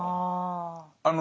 ああ。